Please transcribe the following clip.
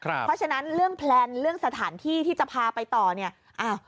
เพราะฉะนั้นเรื่องแพลนเรื่องสถานที่ที่จะพาไปต่อเนี่ย